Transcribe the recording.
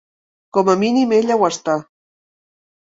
Com a mínim ella ho està.